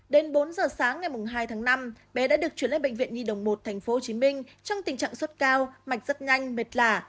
đến bốn giờ sáng ngày hai tháng năm bé đã được chuyển lên bệnh viện nhi đồng một tp hcm trong tình trạng sốt cao mạch rất nhanh mệt lả